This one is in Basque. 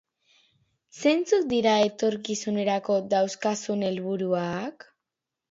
Zeintzuk dira etorkizunerako dauzkazun helburuak?